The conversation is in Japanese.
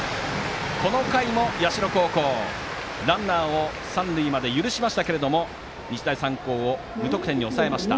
この回も社高校、ランナーを三塁まで許しましたけども日大三高を無得点に抑えました。